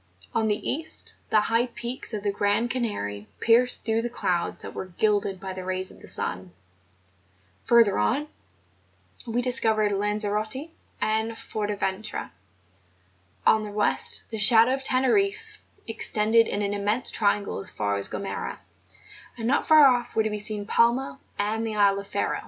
On the east, the high peaks of the grand Canary pierced through the clouds that were gilded by the rays of the sun; further on, we discovered Lanzerote and Forteventura; on the west, the shadow of Teneriffe extended in an immense triangle as far as Gomera; and not far off were to be seen Palma and the isle of Ferro.